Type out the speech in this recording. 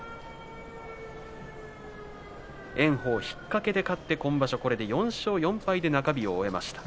炎鵬、引っかけで勝って今場所は４勝４敗で中日を終えました。